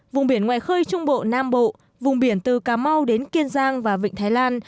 vùng biển ngoài khơi trung bộ nam bộ vùng biển từ cà mau đến kiên giang và vịnh thái lan